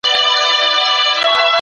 ښه فکرونه د غوره روغتیا لامل کیږي.